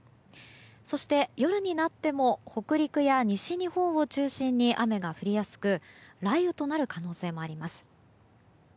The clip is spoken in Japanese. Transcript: そして、夜になっても北陸や西日本を中心に雨が降りやすく雷雨となる可能性もあります。